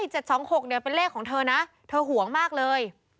๗๒๖เป็นเลขของเธอนะเธอห่วงมากเลย